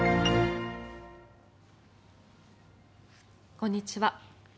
こんにちは。